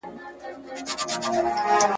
ځینې خلک فکر کوي غږونه خیالي دي.